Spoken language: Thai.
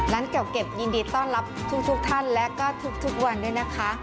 เก่าเก็บยินดีต้อนรับทุกท่านและก็ทุกวันด้วยนะคะ